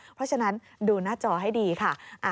เพราะฉะนั้นดูหน้าจอให้ดีค่ะ